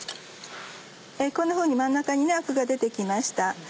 こんなふうに真ん中にアクが出て来ました。